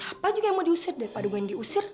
ih siapa juga yang mau diusir daripada gue yang diusir